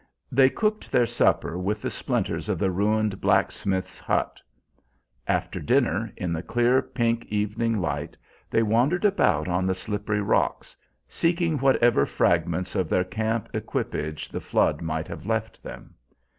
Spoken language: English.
They cooked their supper with the splinters of the ruined blacksmith's hut. After supper, in the clear, pink evening light, they wandered about on the slippery rocks, seeking whatever fragments of their camp equipage the flood might have left them.